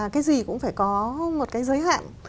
cái gì cũng phải có một cái giới hạn